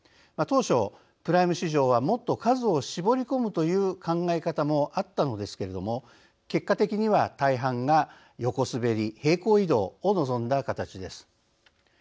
当初プライム市場はもっと数を絞り込むという考え方もあったのですけれども結果的には大半が横滑り平行移動を望んだ形です。